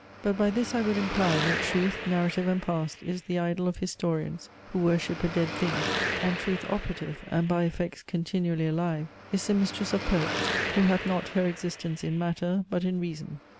But by this I would imply, that truth, narrative and past, is the idol of historians, (who worship a dead thing), and truth operative, and by effects continually alive, is the mistress of poets, who hath not her existence in matter, but in reason."